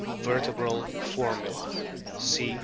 Vertebral formula : C.